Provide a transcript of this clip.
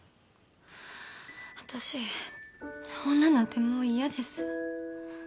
私女なんてもう嫌です。